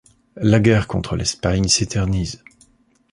La guerre contre l'Espagne s'éternise.